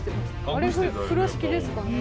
あれ風呂敷ですかね？